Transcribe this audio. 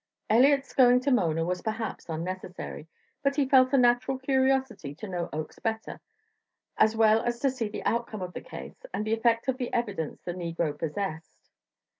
Elliott's going to Mona was perhaps unnecessary, but he felt a natural curiosity to know Oakes better, as well as to see the outcome of the case and the effect of the evidence the negro possessed.